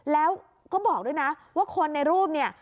แล้วก็บอกด้วยนะว่าคนในรูปเนี่ย